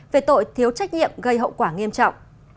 về tội thiếu trách nhiệm gây hậu quả nghiêm trọng